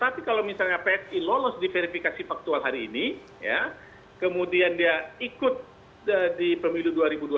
tapi kalau misalnya psi lolos di verifikasi faktual hari ini ya kemudian dia ikut di pemilu dua ribu dua puluh